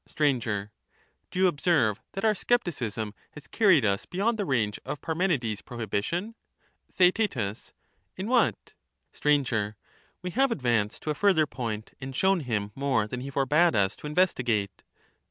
Str, Do you observe that our scepticism has carried us beyond the range of Parmenides' prohibition ? Theaet, In what ? Str. We have advanced to a further point, and shown him more than he forbad iis to investigate.